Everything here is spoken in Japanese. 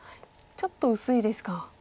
ちょっと薄いですか。